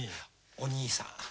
お兄さん。